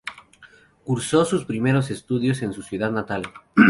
Cursó sus primeros estudios en su ciudad natal.